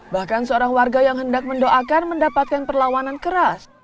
bahkan seorang warga yang hendak mendoakan mendapatkan perlawanan keras